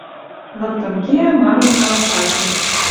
Лыктын кеӓ марын алашажым